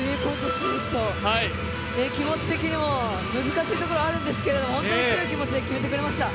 シュート、気持ち的にも難しいところがあるんですけど、本当に強い気持ちで決めてくれました。